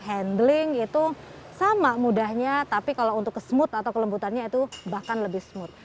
handling itu sama mudahnya tapi kalau untuk ke smooth atau kelembutannya itu bahkan lebih smooth